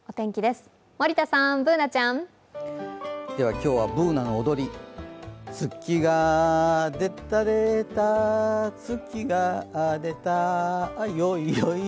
今日はＢｏｏｎａの踊り、月が出た出た、月が出た、あ、よいよい。